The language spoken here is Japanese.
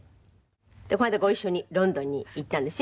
この間ご一緒にロンドンに行ったんですよ。